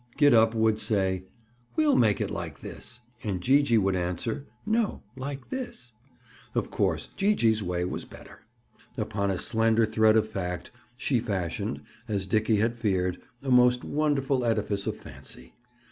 Gid up would say: "We'll make it like this." And Gee gee would answer: "No, like this." Of course, Gee gee's way was better. Upon a slender thread of fact she fashioned, as Dickie had feared, a most wonderful edifice of fancy.